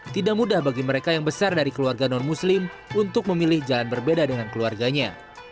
tidak mudah bagi mereka yang besar dari keluarga non muslim untuk memilih jalan berbeda dengan keluarganya